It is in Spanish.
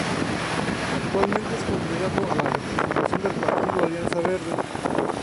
Actualmente es candidato a la en representación del partido Alianza Verde.